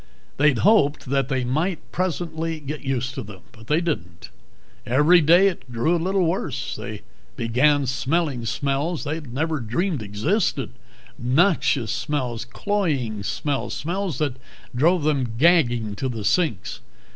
They'd hoped that they might, presently, get used to them. They didn't. Every day it grew a little worse. They began smelling smells they never dreamed existed noxious smells, cloying smells, smells that drove them gagging to the sinks.